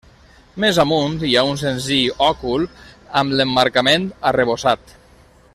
Més amunt hi ha un senzill òcul amb l'emmarcament arrebossat.